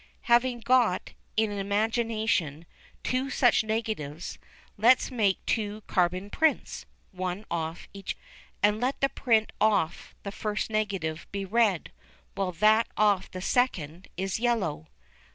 Having got, in imagination, two such negatives, let us make two carbon prints, one off each. And let the print off the first negative be red, while that off the second is yellow.